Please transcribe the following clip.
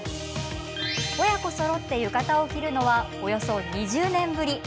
親子そろって浴衣を着るのはおよそ２０年ぶり。